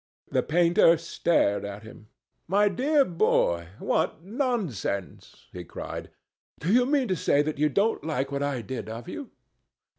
The painter stared at him. "My dear boy, what nonsense!" he cried. "Do you mean to say you don't like what I did of you?